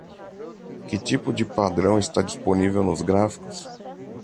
Que tipo de padrão está disponível nos gráficos?